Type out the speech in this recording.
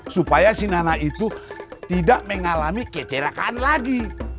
supaya si nana itu tidak mengalami kecelakaan lagi